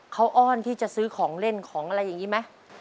เขาอ้อนที่จะซื้อของเล่นของอะไรอย่างนี้ไหม